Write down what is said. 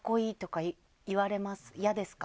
嫌ですか？